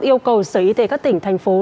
yêu cầu sở y tế các tỉnh thành phố